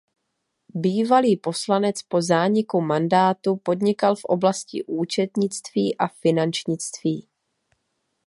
Bývalý poslanec po zániku mandátu podnikal v oblasti účetnictví a finančnictví.